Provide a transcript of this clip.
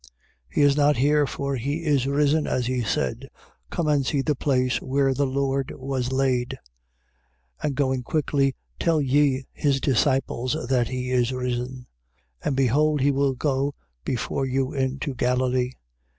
28:6. He is not here. For he is risen, as he said. Come, and see the place where the Lord was laid. 28:7. And going quickly, tell ye his disciples that he is risen. And behold he will go before you into Galilee.